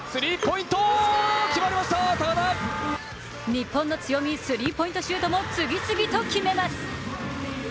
日本の強み、スリーポイントシュートも次々と決めます。